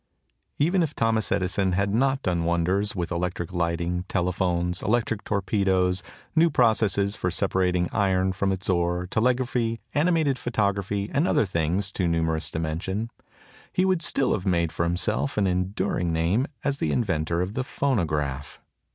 Even if Thomas Edison had not done wonders with electric lighting, telephones, electric torpedoes, new processes for separating iron from its ore, telegraphy, animated photography, and other things too numerous to mention, he would still have made for himself an enduring name as the inventor of the Phonograph.